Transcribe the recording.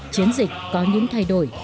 chiến dịch có những thay đổi